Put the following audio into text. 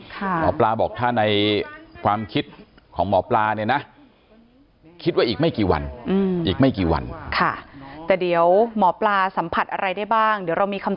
ค่ะหมอปลาบอกท่านายความคิดของหมอปลานี่นะ